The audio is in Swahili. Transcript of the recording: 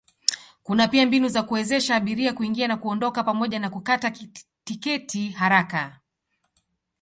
Kuna pia mbinu za kuwezesha abiria kuingia na kuondoka pamoja na kukata tiketi haraka.